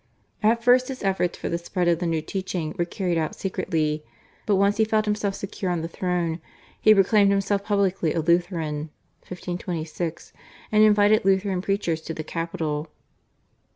At first his efforts for the spread of the new teaching were carried out secretly, but once he felt himself secure on the throne, he proclaimed himself publicly a Lutheran (1526) and invited Lutheran preachers to the capital.